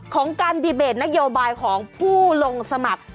ของการดีเบตนโยบายของผู้ลงสมัคร